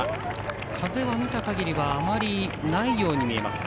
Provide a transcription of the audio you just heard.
風を見た限りではあまりないように見えますが。